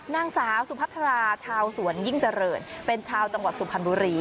นางสาวสุพัทราชาวสวนยิ่งเจริญเป็นชาวจังหวัดสุพรรณบุรี